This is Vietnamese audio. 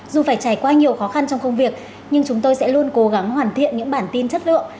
dù phải trải qua nhiều khó khăn trong công việc nhưng chúng tôi sẽ luôn cố gắng hoàn thiện những bản tin chất lượng